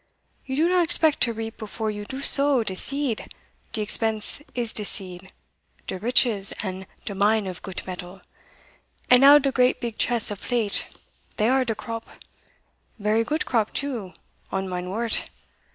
You do not expect to reap before you do sow de seed: de expense is de seed de riches and de mine of goot metal, and now de great big chests of plate, they are de crop vary goot crop too, on mine wort.